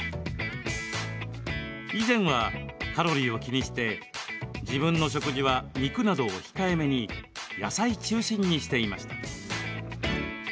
以前は、カロリーを気にして自分の食事は肉などを控えめに野菜中心にしていました。